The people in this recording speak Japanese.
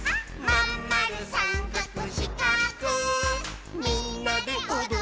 「まんまるさんかくしかくみんなでおどっちゃおう」